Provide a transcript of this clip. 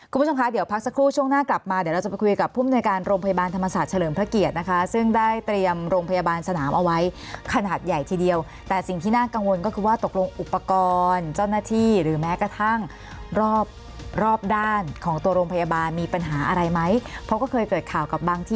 คุณผู้ชมคะเดี๋ยวพักสักครู่ช่วงหน้ากลับมาเดี๋ยวเราจะไปคุยกับผู้มนุยการโรงพยาบาลธรรมศาสตร์เฉลิมพระเกียรตินะคะซึ่งได้เตรียมโรงพยาบาลสนามเอาไว้ขนาดใหญ่ทีเดียวแต่สิ่งที่น่ากังวลก็คือว่าตกลงอุปกรณ์เจ้าหน้าที่หรือแม้กระทั่งรอบรอบด้านของตัวโรงพยาบาลมีปัญหาอะไรไหมเพราะก็เคยเกิดข่าวกับบางที่